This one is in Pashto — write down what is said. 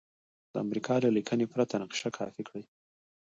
د امریکا له لیکنې پرته نقشه کاپي کړئ.